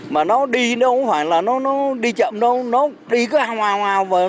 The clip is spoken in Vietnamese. mà nó đi đâu hoặc là nó đi chậm đâu nó đi cứ hào hào hào